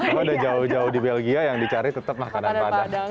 aku udah jauh jauh di belgia yang dicari tetap makanan padang